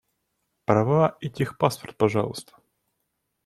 Права и техпаспорт, пожалуйста.